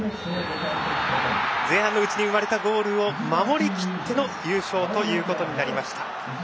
前半のうちに生まれたゴールを守り切っての優勝となりました。